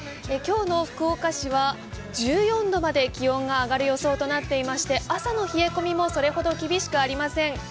今日の福岡市は１４度まで気温が上がる予想となっていまして朝の冷え込みもそれほど厳しくありません。